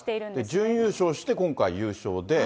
準優勝して、今回優勝で。